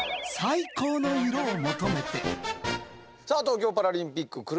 さあ東京パラリンピック